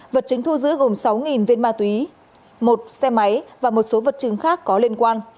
vật chứng thu giữ gồm sáu viên ma túy một xe máy và một số vật chứng khác có liên quan